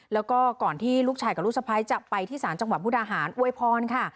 แล้วก็ก่อนที่ลูกชายกับลูกสะพ้ายจะไปที่ศาลจังหวัดมุกดาหารอวยพรค่ะ